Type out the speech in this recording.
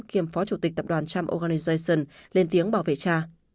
kiêm phó chủ tịch tập đoàn trump organization lên tiếng bảo vệ cha